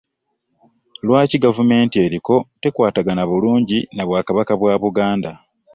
Lwaki gavumenti eriko tekwatagana bulungi n'obwakabaka bwa Buganda.